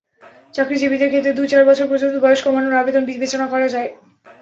চাকরিজীবীদের ক্ষেত্রে দু-চার বছর পর্যন্ত বয়স কমানোর আবেদন বিবেচনা করা যায়।